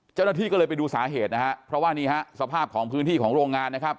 เจ้าหน้าที่ก็เลยไปดูสาเหตุนะฮะเพราะว่านี่ฮะสภาพของพื้นที่ของโรงงานนะครับ